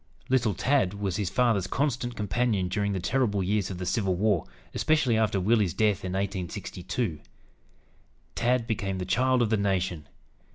"Little Tad" was his father's constant companion during the terrible years of the Civil War, especially after Willie's death, in 1862. "Tad" became "the child of the nation."